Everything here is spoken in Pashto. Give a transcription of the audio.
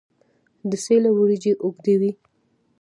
د سیله وریجې اوږدې وي.